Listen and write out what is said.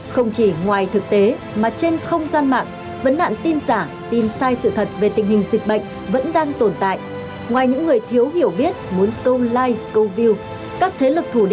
không chỉ ngoài thực tế